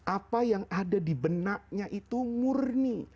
apa yang ada di benaknya itu murni